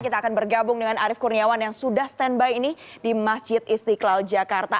kita akan bergabung dengan arief kurniawan yang sudah standby ini di masjid istiqlal jakarta